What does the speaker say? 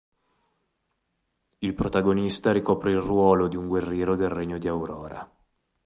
Il protagonista ricopre il ruolo di un guerriero del regno di Aurora.